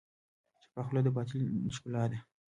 چپه خوله، د باطن ښکلا ده.